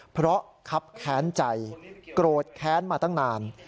เพราะครับแค้นใจโกรธแค้นมาตั้งนาน